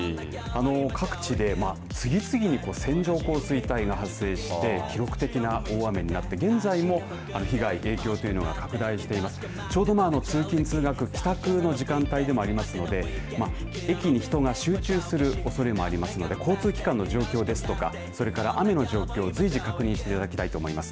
各地で次々線状降水帯が発生して記録的な大雨になって現在も被害、影響というのは拡大していますがちょうど通勤通学帰宅の時間帯でもありますので駅に人が集中するおそれもありますので交通機関の状況ですとか雨の状況随時、確認していただきたいと思います。